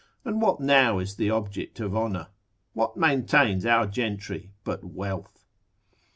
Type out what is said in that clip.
And what now is the object of honour? What maintains our gentry but wealth?